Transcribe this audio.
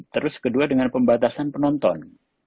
terus kedua dengan pembatasan penonton